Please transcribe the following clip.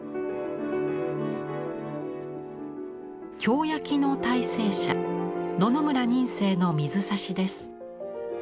京焼の大成者野々村仁清の水指です。